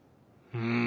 うん。